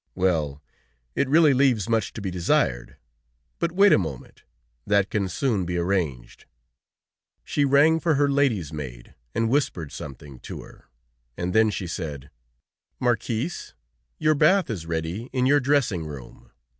Well! It really leaves much to be desired. But wait a moment; that can soon be arranged." She rang for her lady's maid and whispered something to her, and then she said: "Marquis, your bath is ready in your dressing room.